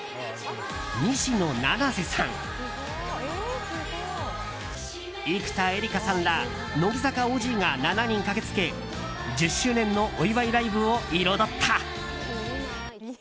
西野七瀬さん、生田絵梨花さんら乃木坂ＯＧが７人駆けつけ１０周年のお祝いライブを彩った。